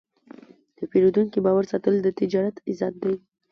د پیرودونکي باور ساتل د تجارت عزت دی.